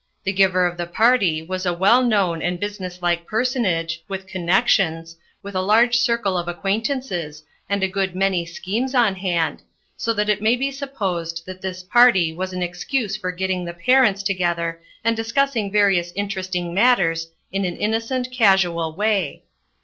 The giver of the party was a well known and business like personage, with connections, with a large circle of acquaintances, and a good many schemes on hand, so that it may be supposed that this party was an excuse for getting the parents together and discussing various interesting matters in an innocent, casual way.